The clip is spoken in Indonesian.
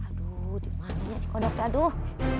aduh dimananya sih kodok ya aduh